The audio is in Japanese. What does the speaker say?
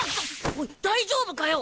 おい大丈夫かよ。